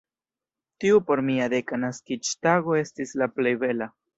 Tiu por mia deka naskiĝtago estis la plej bela.